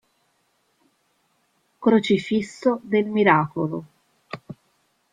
Crocifisso del Miracolo.